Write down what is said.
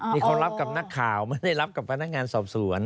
นี่เขารับกับนักข่าวไม่ได้รับกับพนักงานสอบสวน